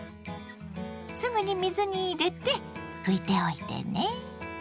すぐに水に入れて拭いておいてね。